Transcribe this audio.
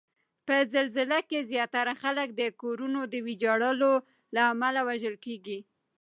په زلزله کې زیاتره خلک د کورونو د ویجاړولو له امله وژل کیږي